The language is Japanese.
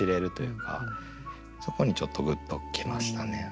そこにちょっとグッときましたね。